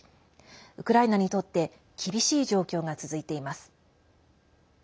ウクライナにとって厳しい状況が続いています。